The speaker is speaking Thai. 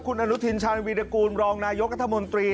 คุณอนุทินชาญวีรกูลรองนายกรัฐมนตรี